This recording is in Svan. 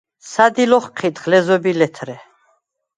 სადილ ოხჴიდხ – ლეზობ ი ლეთრე.